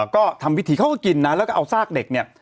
ก็ทำพิธีเขาก็กินนะแล้วก็เอาซากเด็กเนี่ย